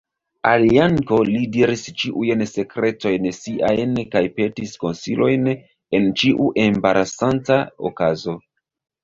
Al Janko li diris ĉiujn sekretojn siajn kaj petis konsilojn en ĉiu embarasanta okazo.